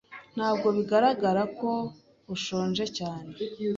Ntabwo bigaragara ko ushonje cyane.